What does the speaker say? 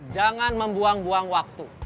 jangan membuang buang waktu